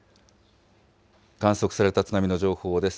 観測された津波の情報です。